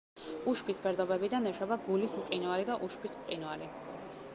უშბის ფერდობებიდან ეშვება: გულის მყინვარი და უშბის მყინვარი.